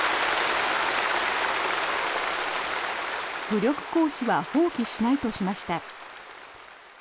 武力行使は放棄しないとしました。